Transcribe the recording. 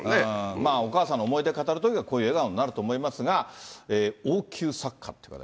まあお母さんの思い出語るときはこういう笑顔になると思いますが、王宮作家という人が。